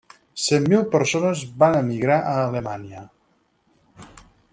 Cent mil persones van emigrar a Alemanya.